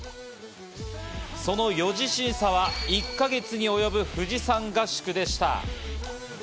その４次審査は１か月に及ぶ富士山合宿でした。